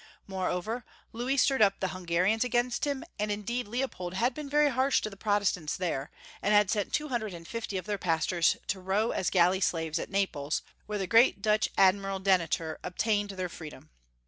Moreover, Louis stirred up the Hungarians against him, and indeed Leopold L 361 Leopold had been very harsh to the Protestants there, and had sent two hundred and fifty of theu: pastors to row as galley slaves at Naples, where the great Dutch Admiral Denyter obtained their free dom.